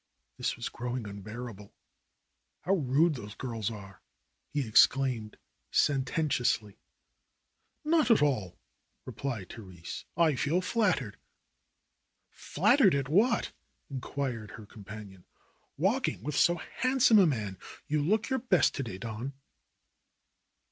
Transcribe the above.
This was growing unbearable. ^^How rude those girls are!" he exclaimed senten tiously. "Not at all," replied Therese. "I feel flattered." "Flattered at what?" inquired her companion. "Walking with so handsome a man. You look your best to day, Don."